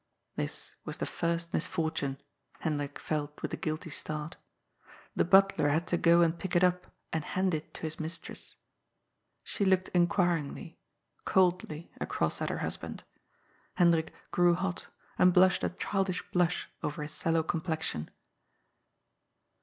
This was the first misfortune, Hendrik felt with a guilty start. The butler had to go and pick it up and hand it to his mistress. She looked inquiringly, coldly, across at her husband. Hendrik grew hot, and blushed a childish blush over his sallow complexion.